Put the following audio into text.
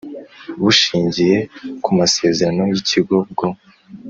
Bushingiye Ku Masezerano Y Ikigo Bwo